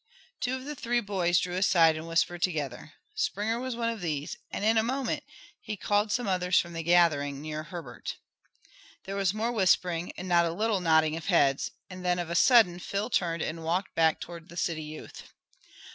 Two or three of the boys drew aside and whispered together. Springer was one of these, and in a moment he called some others from the gathering near Herbert. There was more whispering and not a little nodding of heads, and then of a sudden Phil turned and walked back toward the city youth.